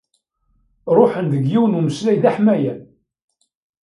Ruḥen deg yiwen umeslay d aḥmayan.